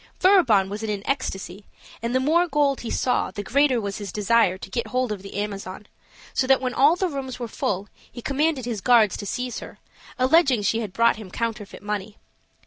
Furibon was in an ecstasy, and the more gold he saw the greater was his desire to get hold of the Amazon; so that when all the rooms were full, he commanded his guards to seize her, alleging she had brought him counterfeit money.